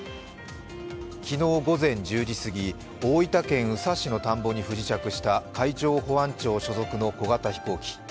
昨日午前１０時すぎ、大分県宇佐市の田んぼに不時着した海上保安庁所属の小型飛行機。